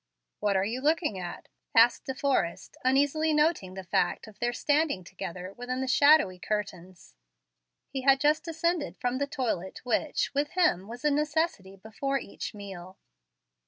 "What are you looking at?" asked De Forrest, uneasily noting the fact of their standing together within the shadowy curtains. He had just descended from the toilet which, with him, was a necessity before each meal.